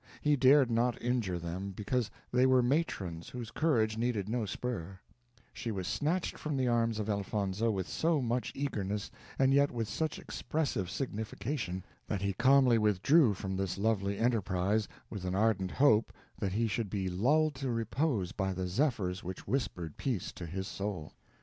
He dared not injure them, because they were matrons whose courage needed no spur; she was snatched from the arms of Elfonzo, with so much eagerness, and yet with such expressive signification, that he calmly withdrew from this lovely enterprise, with an ardent hope that he should be lulled to repose by the zephyrs which whispered peace to his soul.